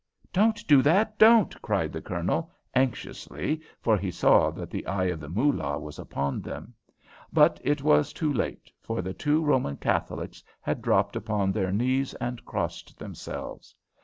"Don't do that! Don't!" cried the Colonel, anxiously, for he saw that the eye of the Moolah was upon them. But it was too late, for the two Roman Catholics had dropped upon their knees and crossed themselves.